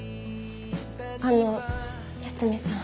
あの八海さん。